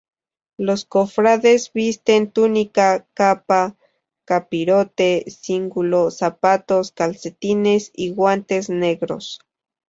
Los cofrades visten túnica, capa, capirote, cíngulo, zapatos, calcetines y guantes negros.